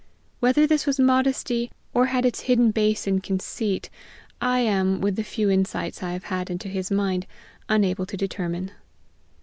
Whether this was modesty, or had its hidden base in conceit, I am, with the few insights I have had into his mind, unable to determine.